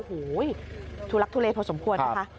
โอ้โฮทุลักษณ์ทุเรศพอสมควรนะคะ